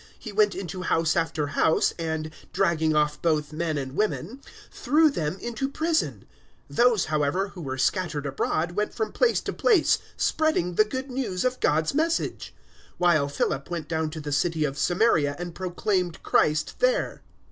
He went into house after house, and, dragging off both men and women, threw them into prison. 008:004 Those, however, who were scattered abroad went from place to place spreading the Good News of God's Message; 008:005 while Philip went down to the city of Samaria and proclaimed Christ there.